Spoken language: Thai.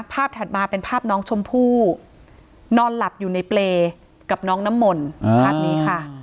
ถัดมาเป็นภาพน้องชมพู่นอนหลับอยู่ในเปรย์กับน้องน้ำมนต์ภาพนี้ค่ะ